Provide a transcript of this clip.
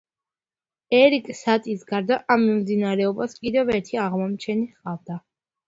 ერიკ სატის გარდა ამ მიმდინარეობას კიდევ ერთი აღმომჩენი ჰყავდა.